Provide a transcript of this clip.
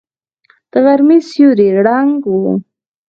د غرمې سيوری ړنګ و.